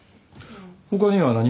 他には何も？